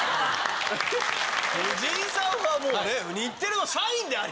藤井さんはもうね日テレの社員でありながら。